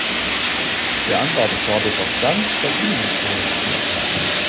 Der Anbau der Sorte ist auf ganz Sardinien empfohlen.